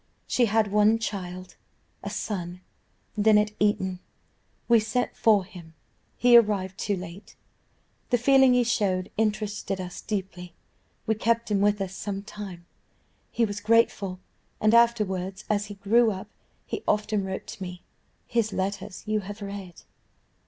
"She had one child, a son, then at Eton: we sent for him; he arrived too late; the feeling he showed interested us deeply; we kept him with us some time; he was grateful; and afterwards as he grew up he often wrote to me. His letters you have read."